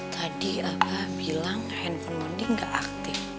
tadi abah bilang handphone mounding gak aktif